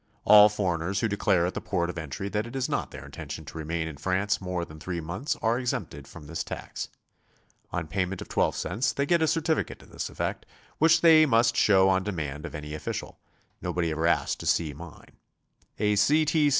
All foreigners who declare at the port of entry that it is not their intention to remain in France more than three months are exempted from this tax. On payment of T2 cents they get a certificate to this effect, which they must show on demand of any official; nob'ody ever asked to see mine. A C. T. C.